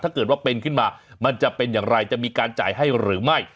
ถ้าเกิดว่าเป็นขึ้นมามันจะเป็นอย่างไรจะมีการจ่ายให้หรือไม่